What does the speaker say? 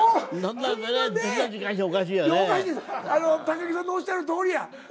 高木さんのおっしゃるとおりや。